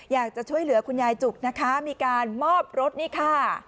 อยากจะช่วยเหลือคุณยายจุกนะคะมีการมอบรถนี่ค่ะ